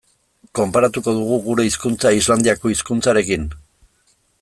Konparatuko dugu gure hizkuntza Islandiako hizkuntzarekin?